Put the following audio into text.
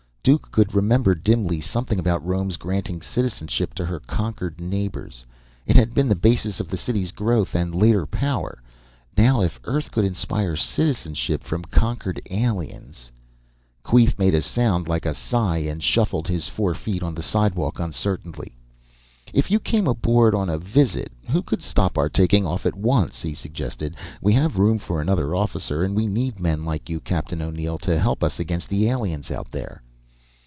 Duke could remember dimly something about Rome's granting citizenship to her conquered neighbors. It had been the basis of the city's growth and later power. Now if Earth could inspire citizenship from conquered aliens Queeth made a sound like a sigh and shuffled his four feet on the sidewalk uncertainly. "If you came aboard on a visit, who could stop our taking off at once?" he suggested. "We have room for another officer, and we need men like you, Captain O'Neill, to help us against the aliens out there!"